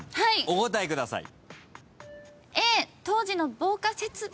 お答えください。